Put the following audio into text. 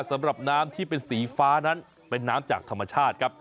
สำหรับน้ำที่เป็นสีฟ้านั้นเป็นน้ำจากธรรมชาติครับ